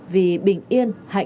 vì bình yên hạnh phúc cho nhân dân